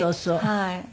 はい。